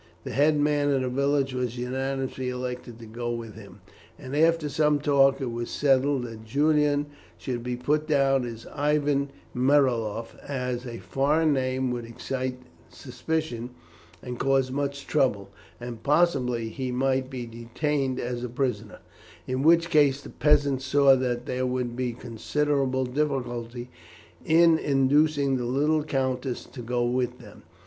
The head man of the village was unanimously elected to go with him, and after some talk it was settled that Julian should be put down as Ivan Meriloff, as a foreign name would excite suspicion and cause much trouble, and possibly he might be detained as a prisoner, in which case the peasants saw that there would be considerable difficulty in inducing the little countess to go with them.